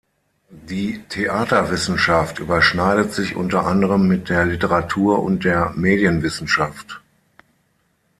Die Theaterwissenschaft überschneidet sich unter anderem mit der Literatur- und der Medienwissenschaft.